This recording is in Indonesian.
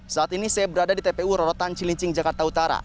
saat ini saya berada di tpu rorotan cilincing jakarta utara